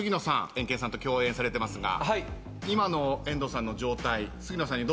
エンケンさんと共演されてますが。